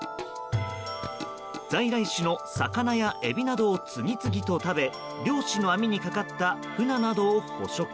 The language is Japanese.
在来種の魚やエビなどを次々と食べ漁師の網にかかったフナなどを捕食。